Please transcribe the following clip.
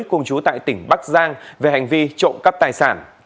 cùng chú tại tỉnh bắc giang về hành vi trộm cắp tài sản